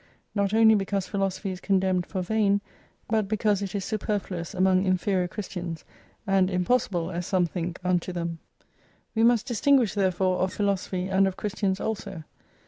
Not only because Philosophy is condemned for vain, but because it is superfluous among inferior Christians, and impossible, as some think, unto them. We must dis tinguish therefore of philosophy and of Christians also.